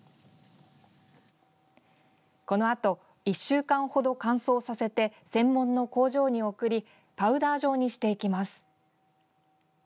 このあと１週間ほど乾燥させて専門の工場に送りパウダー状にしていきます。